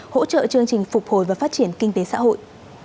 hỗ trợ chương trình phục hồi và phát triển kinh tế xã hội